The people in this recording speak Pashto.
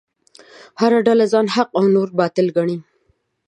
هره ډله ځان حق او نور باطل ګڼي.